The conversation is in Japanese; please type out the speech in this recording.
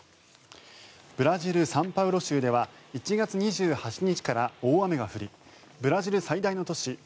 ブラジル・サンパウロ州では１月２８日から大雨が降りブラジル最大の都市